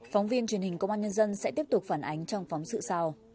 phóng viên truyền hình công an nhân dân sẽ tiếp tục phản ánh trong phóng sự sau